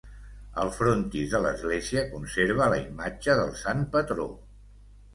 Al frontis de l'església conserva la imatge del Sant Patró.